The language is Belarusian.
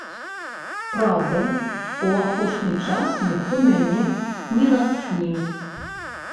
Праўда, у апошні час ніхто мяне не натхніў.